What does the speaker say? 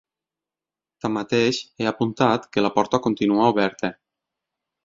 Tanmateix, ha apuntat que ‘la porta continua oberta’.